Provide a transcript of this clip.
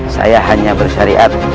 saya hanya bersyariat